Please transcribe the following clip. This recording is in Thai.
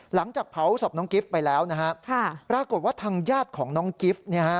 หลังจากเผาอุศบกิฟต์ไปแล้วปรากฏว่าทั้งญาติคนน้องกิฟต์